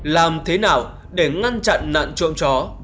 làm thế nào để ngăn chặn nạn trộm chó